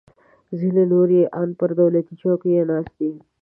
ځینې نور یې ان پر دولتي چوکیو ناست دي